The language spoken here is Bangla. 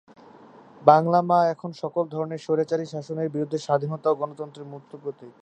বাংলা মা এখন সকল ধরনের স্বৈরাচারী শাসনের বিরুদ্ধে স্বাধীনতা ও গণতন্ত্রের মূর্ত প্রতীক।